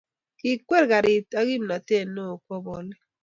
Kikwer karit ak kimnatet neo kwo bolik.